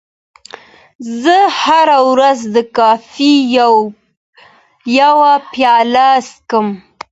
زه هره ورځ د کافي یوه پیاله څښم.